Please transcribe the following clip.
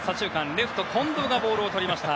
レフト、近藤がボールをとりました。